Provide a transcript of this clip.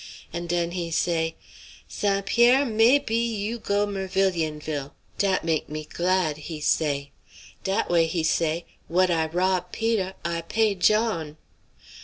And den he say, 'St. Pierre, may bee you go Mervilionville; dat make me glad,' he say: 'dat way,' he say, 'what I rob Peter I pay John.'